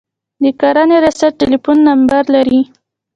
د کرنې ریاست ټلیفون نمبر لرئ؟